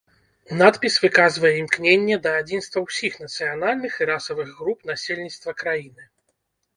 Надпіс выказвае імкненне да адзінства ўсіх нацыянальных і расавых груп насельніцтва краіны.